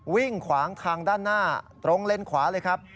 วิ่งขวางทางด้านหน้าตรงเลนขวาเลยครับ